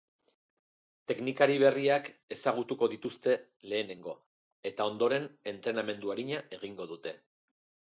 Teknikari berriak ezagutuko dituzte lehenengo, eta ondoren entrenamendu arina egingo dute.